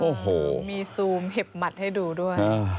โอ้โหมีซูมเห็บหมัดให้ดูด้วย